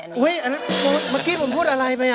เมื่อกี้ผมพูดอะไรไป